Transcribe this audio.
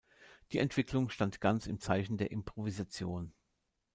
Die Entwicklung stand ganz im Zeichen der Improvisation.